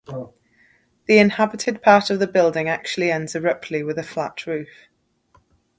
The inhabited part of the building actually ends abruptly with a flat roof.